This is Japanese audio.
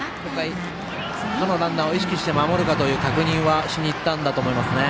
どのランナーを意識して守るかの確認をしたんだと思います。